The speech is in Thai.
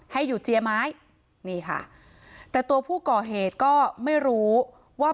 ให้อยู่เจียไม้นี่ค่ะแต่ตัวผู้ก่อเหตุก็ไม่รู้ว่า